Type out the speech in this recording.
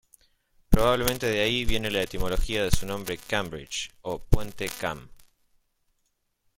Probablemente de ahí viene la etimología de su nombre Cam-Bridge o Puente-Cam.